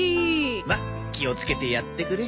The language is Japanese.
まあ気をつけてやってくれ。